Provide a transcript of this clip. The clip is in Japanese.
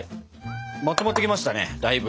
まとまってきましたねだいぶ。